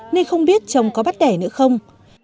nên không biết chồng có bắt đẻ nữa không